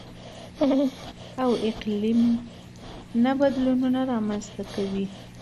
او اقلـيمي نه بـدلونـونه رامـنځتـه کوي.